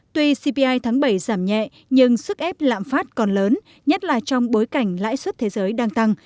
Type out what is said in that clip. tuy cpi tháng bảy giảm nhẹ nhưng sức ép lạm phát còn lớn nhất là trong bối cảnh lãi suất thế giới đang tăng